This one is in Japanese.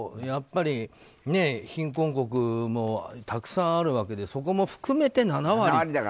やっぱり貧困国もたくさんあるわけでそこも含めて７割。